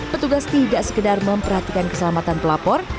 petugas tidak sekedar memperhatikan keselamatan pelapor